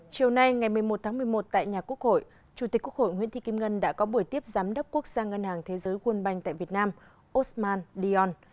chiều nay ngày một mươi một tháng một mươi một tại nhà quốc hội chủ tịch quốc hội nguyễn thị kim ngân đã có buổi tiếp giám đốc quốc gia ngân hàng thế giới world bank tại việt nam osman dion